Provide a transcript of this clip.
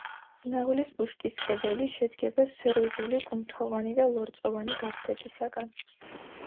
ნაღვლის ბუშტის კედელი შედგება სეროზული კუნთოვანი და ლორწოვანი გარსებისაგან.